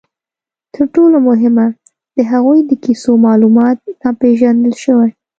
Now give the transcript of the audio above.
تر ټولو مهمه، د هغوی د کیسو معلومات ناپېژندل شوي.